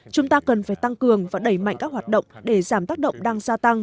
chúng ta cần phải tăng cường và đẩy mạnh các hoạt động để giảm tác động đang gia tăng